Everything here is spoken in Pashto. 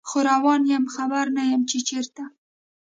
خو روان یم خبر نه یمه چې چیرته